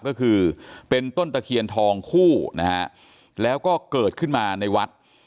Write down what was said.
ก็คือเป็นต้นตะเคียนทองคู่นะฮะแล้วก็เกิดขึ้นมาในวัด